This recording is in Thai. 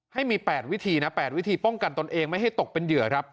ให้มี๘วิธีนะ๘วิธีป้องกันตนเองไม่ให้ตกเป็นเหยื่อครับ